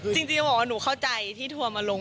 จริงบอกว่าหนูเข้าใจที่ทัวร์มาลง